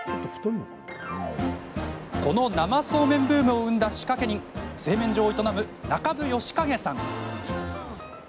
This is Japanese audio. この生そうめんブームを生んだ仕掛け人製麺所を営む、中武義景さん。